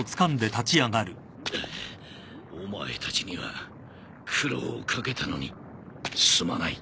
お前たちには苦労を掛けたのにすまない。